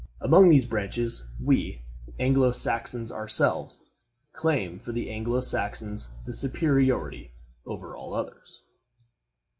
Among these branches, we, Anglo Saxons ourselves, claim for the Anglo Saxons the superiority over all the others.